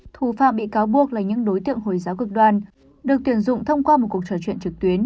thủ phạm bị cáo buộc là những đối tượng hồi giáo cực đoan được tuyển dụng thông qua một cuộc trò chuyện trực tuyến